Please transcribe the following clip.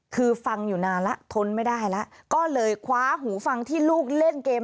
คือฟังอยู่นานแล้วทนไม่ได้แล้วก็เลยคว้าหูฟังที่ลูกเล่นเกม